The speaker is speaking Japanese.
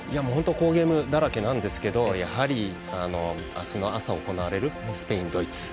好ゲームだらけなんですが明日の朝、行われるスペイン、ドイツ。